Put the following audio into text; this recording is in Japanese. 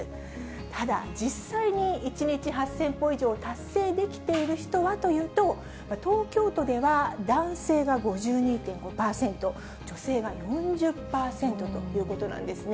ただ、実際に１日８０００歩以上達成できている人はというと、東京都では男性が５２．５％、女性は４０％ということなんですね。